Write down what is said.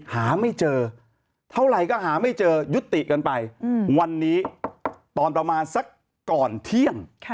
หาไม่เจอเท่าไหร่ก็หาไม่เจอยุติกันไปวันนี้ตอนประมาณสักก่อนเที่ยง